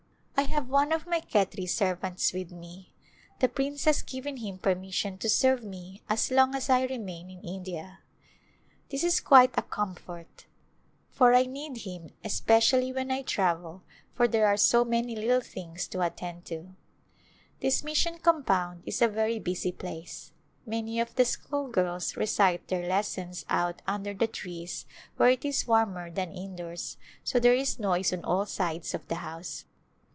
I have one of my Khetri servants with me ; the prince has given him permission to serve me as long as I remain in India. This is quite a comfort for 1 A Glimpse of India need him especiallv when I travel for there are so many little things to attend to. This mission compound is a verv busy place. Many of the schoolgirls recite their lessons out under the trees where it is warmer than indoors, so there is noise on all sides of the house.